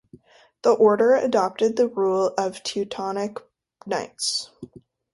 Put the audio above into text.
The Order adopted the rule of the Teutonic Knights.